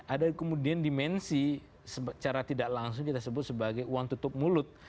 ada kemudian dimensi secara tidak langsung kita sebut sebagai uang tutup mulut